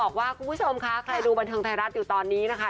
คุณผู้ชมค่ะใครดูบันเทิงไทยรัฐอยู่ตอนนี้นะคะ